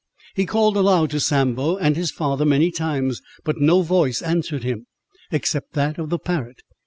He called aloud to Sambo and his father many times, but no voice answered him, except that of the parrot.